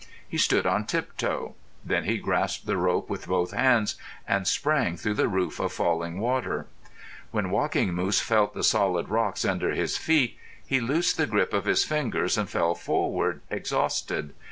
He stood on tiptoe. Then he grasped the rope with both hands and sprang through the roof of falling water. When Walking Moose felt the solid rocks under his feet he loosed the grip of his fingers and fell forward, exhausted.